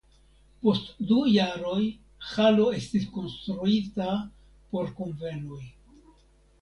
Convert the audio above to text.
Post du jaroj halo estis konstruita por kunvenoj.